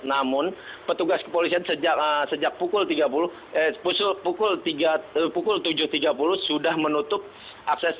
namun petugas kepolisian sejak pukul tujuh tiga puluh sudah menutup akses